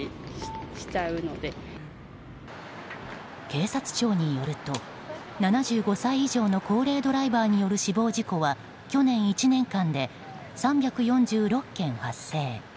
警察庁によると７５歳以上の高齢ドライバーによる死亡事故は去年１年間で３４６件、発生。